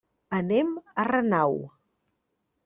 Anem a Renau.